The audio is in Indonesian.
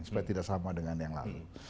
supaya tidak sama dengan yang lalu